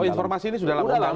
oh informasi ini sudah lama